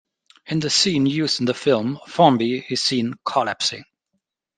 In the scene used in the film, Formby is seen collapsing.